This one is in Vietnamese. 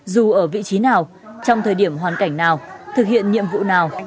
dù ở vị trí nào trong thời điểm hoàn cảnh nào thực hiện nhiệm vụ nào